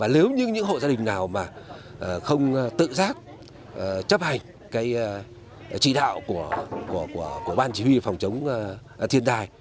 nếu như những hộ gia đình nào không tự giác chấp hành chỉ đạo của ban chỉ huy phòng chống thiên đai